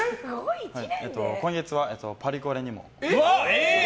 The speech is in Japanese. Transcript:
今月はパリコレにも。